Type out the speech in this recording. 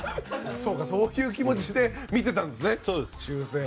そうか、そういう気持ちで見てたんですね。